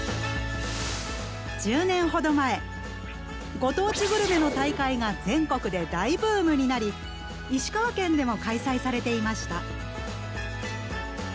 １０年ほど前ご当地グルメの大会が全国で大ブームになり石川県でも開催されていました。